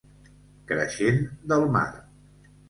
Creixent del mar.